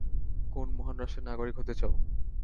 কোন মহান রাষ্ট্রের নাগরিক হতে চাও?